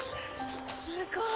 すごい！